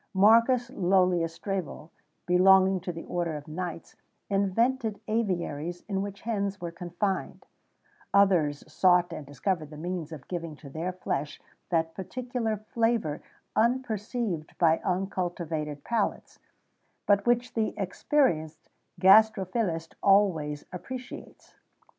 Marcus Lœlius Strabo, belonging to the order of knights, invented aviaries in which hens were confined;[XVII 21] others sought and discovered the means of giving to their flesh that particular flavour unperceived by uncultivated palates, but which the experienced gastrophilist always appreciates.